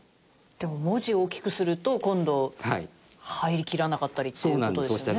でも文字大きくすると今度入りきらなかったりっていう事ですよね。